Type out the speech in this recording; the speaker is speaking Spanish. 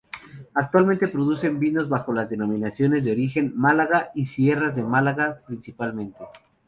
Actualmente producen vinos bajo las denominaciones de origen Málaga y Sierras de Málaga principalmente.